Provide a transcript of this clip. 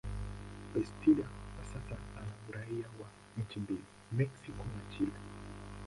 Bastida kwa sasa ana uraia wa nchi mbili, Mexico na Chile.